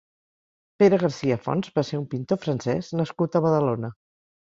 Pere Garcia-Fons va ser un pintor francès nascut a Badalona.